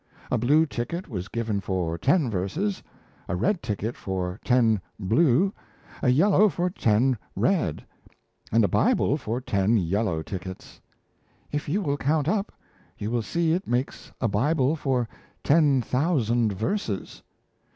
A blue ticket was given for ten verses, a red ticket for ten blue, a yellow for ten red, and a Bible for ten yellow tickets. If you will count up, you will see it makes a Bible for ten thousand verses.